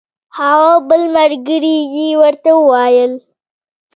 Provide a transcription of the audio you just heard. هغه بل ملګري یې ورته وویل.